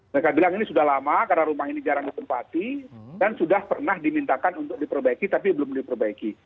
mereka bilang ini sudah lama karena rumah ini jarang ditempati dan sudah pernah dimintakan untuk diperbaiki tapi belum diperbaiki